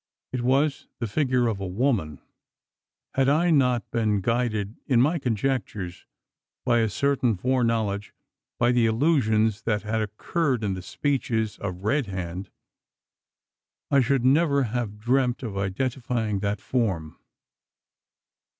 It was the figure of a woman! Had I not been guided in my conjectures by a certain foreknowledge by the allusions that had occurred in the speeches of Red Hand I should never have dreamt of identifying that form.